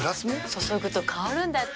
注ぐと香るんだって。